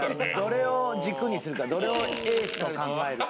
どれを軸にするかどれをエースと考えるか。